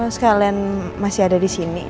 sekalian masih ada disini